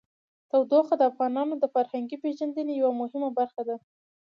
تودوخه د افغانانو د فرهنګي پیژندنې یوه مهمه برخه ده.